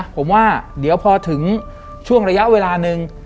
ผมว่าเดี๋ยวพอถึงช่วงระยะเวลาหนึ่ง